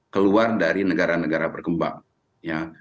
keluar dari negara negara berkembang ya